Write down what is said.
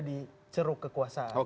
di ceruk kekuasaan